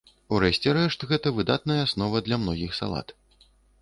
У рэшце рэшт, гэта выдатная аснова для многіх салат.